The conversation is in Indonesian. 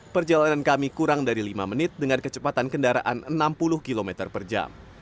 perjalanan kami kurang dari lima menit dengan kecepatan kendaraan enam puluh km per jam